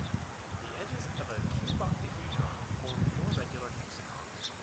The edges of a cuboctahedron form four regular hexagons.